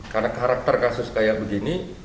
karena karakter kasus kayak begini